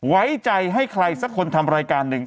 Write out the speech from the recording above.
ไว้ใจให้ใครสักคนทำรายการหนึ่ง